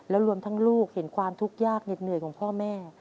แล้วรวมทั้งลูกเห็นความทุกข์ยากเหน็ดเหนื่อยของพ่อแม่